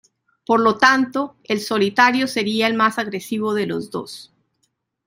Por lo tanto, el solitario sería el más agresivo de los dos.